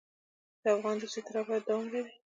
د افغان دوستي تر ابده دوام لري.